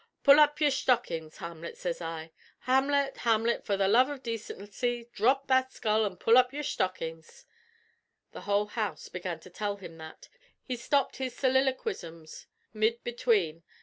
Pull up your shtockin's, Hamlut,' sez I. 'Hamlut, Hamlut, for the love av decincy, dhrop that skull, an' pull up your shtockin's.' The whole house began to tell him that. He stopped his soliloquishms mid between.